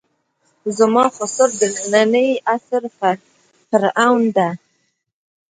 زما خُسر د نني عصر فرعون ده.